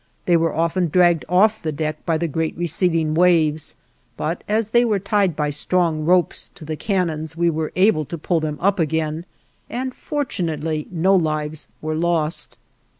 They were often dragged off the deck by the great receding waves, but as they were tied by strong ropes to the cannons we were able to pull them up again, and fortunately no lives were lost.